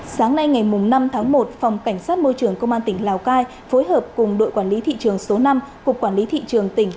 sáng nay ngày năm tháng một phòng cảnh sát môi trường công an tỉnh lào cai phối hợp cùng đội quản lý thị trường số năm cục quản lý thị trường tỉnh